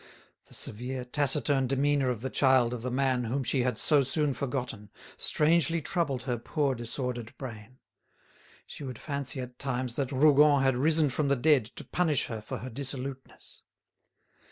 The severe, taciturn demeanour of the child of the man whom she had so soon forgotten strangely troubled her poor disordered brain. She would fancy at times that Rougon had risen from the dead to punish her for her dissoluteness.